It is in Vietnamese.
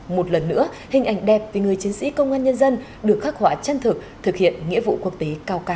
một lần nữa hình ảnh đẹp vì người chiến sĩ công an nhân dân được khắc họa chân thực thực hiện nghĩa vụ quốc tế cao cả